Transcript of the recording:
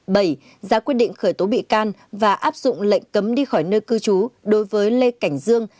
bảy ra quyết định khởi tố bị can và áp dụng lệnh cấm đi khỏi nơi cư trú đối với lê cảnh dương